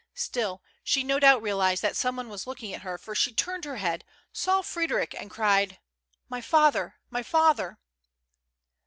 Still, she no doubt realized that some one was looking at her, for she turned her head, saw Frederic, and cried :" My father ! my father